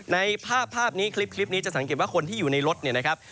ในภาพภาพนี้คลิปนี้จะสังเกตว่าคนที่อยู่ในรถเนี่ยนะครับ